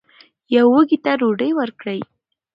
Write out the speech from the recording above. یو وږي ته ډوډۍ ورکړئ.